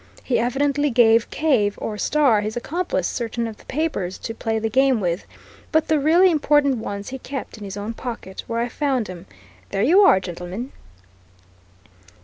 He evidently gave Cave, or Starr, his accomplice, certain of the papers, to play the game with, but the really important ones he kept in his own pocket, where I found 'em. There you are, gentlemen."